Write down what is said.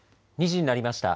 ２時になりました。